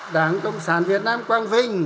đảng cộng sản việt nam quang vinh